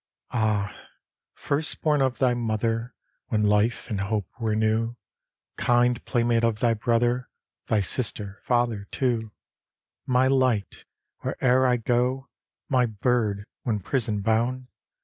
Ah, first born of thy mother, When life and hope were new, Kind playmate of thy brother, Thy sister, father too ; My light, where'er I go, My bird, when prison bound.